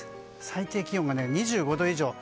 最低気温が２５度以上。